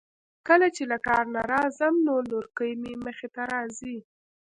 کله چې له کار نه راځم نو لورکۍ مې مخې ته راځی.